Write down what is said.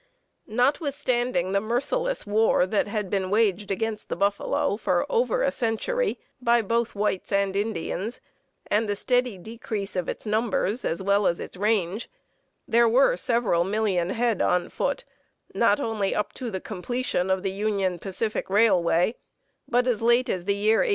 Notwithstanding the merciless war that had been waged against the buffalo for over a century by both whites and Indians, and the steady decrease of its numbers, as well as its range, there were several million head on foot, not only up to the completion of the Union Pacific Railway, but as late as the year 1870.